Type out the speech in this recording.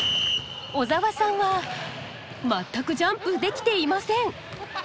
小沢さんは全くジャンプできていません。